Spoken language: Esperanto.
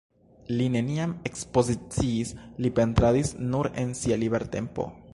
Li neniam ekspoziciis, li pentradis nur en sia libertempo.